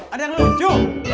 ada yang lucu